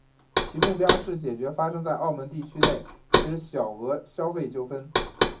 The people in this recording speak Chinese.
其目标是解决发生在澳门地区内之小额消费纠纷。